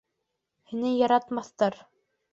Һине яратмаҫтар.